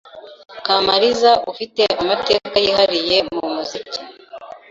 Kamaliza ufite amateka yihariye mu muziki